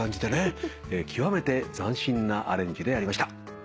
極めて斬新なアレンジでありました。